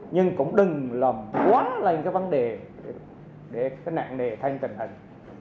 nhưng cũng đừng lầm quá là những vấn đề để nạn nề thay tình hình